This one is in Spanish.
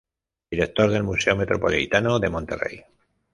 Director del Museo Metropolitano de Monterrey.